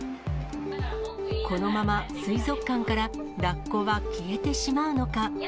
このまま水族館からラッコは消えてしまうのか。